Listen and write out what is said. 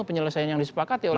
penyelesaian yang disepakati oleh